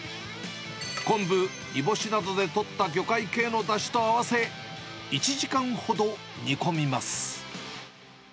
昆布、煮干しなどでとった魚介系のだしと合わせ、１時間ほど煮込みます。